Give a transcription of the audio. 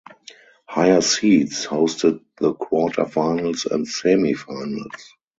Higher seeds hosted the quarterfinals and semifinals.